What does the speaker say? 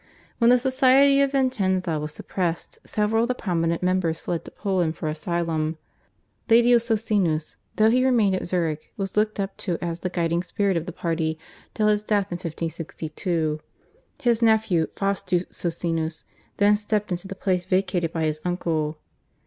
When the society at Vicenza was suppressed several of the prominent members fled to Poland for asylum. Laelius Socinus, though he remained at Zurich, was looked up to as the guiding spirit of the party till his death in 1562. His nephew Faustus Socinus then stepped into the place vacated by his uncle.